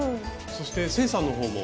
そして清さんのほうも。